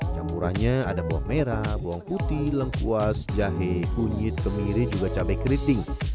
campurannya ada bawang merah bawang putih lengkuas jahe kunyit kemiri juga cabai keriting